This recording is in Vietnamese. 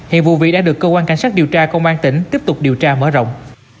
hiện vụ vị đã được cơ quan cảnh sát điều tra công an tỉnh tiếp tục điều tra mở rộng